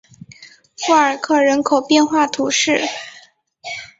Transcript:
富尔克人口变化图示